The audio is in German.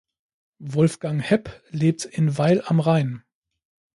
Wolfgang Hepp lebt in Weil am Rhein.